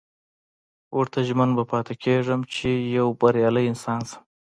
ورته ژمن به پاتې کېږم چې يو بريالی انسان شم.